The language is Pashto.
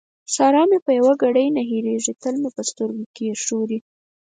سارا مې په يوه ګړۍ نه هېرېږي؛ تل مې په سترګو کې ښوري.